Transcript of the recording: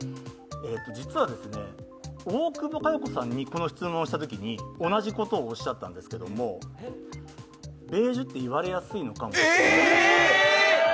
実は大久保佳代子さんにこの質問をしたときに同じことをおっしゃったんですけれども、ベージュって言われやすいのかも。